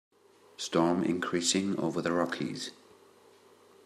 Storm increasing over the Rockies.